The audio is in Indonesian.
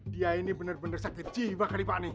dia ini bener bener sakit jiwa kali pak